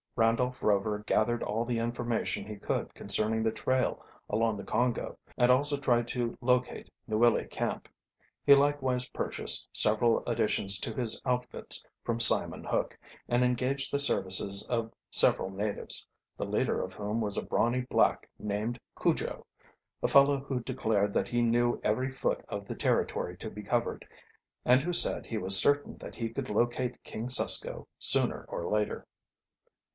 Randolph Rover gathered all the information he could concerning the trail along the Congo, and also tried to locate Niwili Camp. He likewise purchased several additions to his outfits from Simon Hook, and engaged the services of several natives, the leader of whom was a brawny black named Cujo, a fellow who declared that he knew every foot of the territory to be covered and who said he was certain that he could locate King Susko sooner or later.